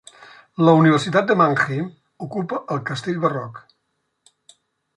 La universitat de Mannheim ocupa el castell barroc.